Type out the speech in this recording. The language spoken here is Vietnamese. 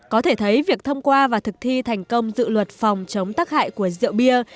có thể thấy việc thông qua và thực thi thành công dự luật phòng chống tắc hại của rượu bia